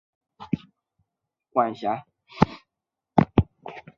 受加尔各答总教区管辖。